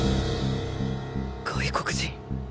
外国人！？